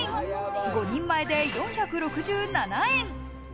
５人前で４６７円。